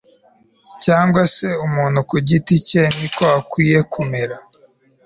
cyangwa se umuntu ku giti cye niko akwiye kumera